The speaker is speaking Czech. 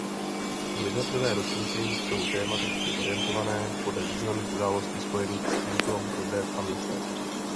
Jednotlivé ročníky jsou tematicky orientované podle významných událostí spojených s tímto rodem a městem.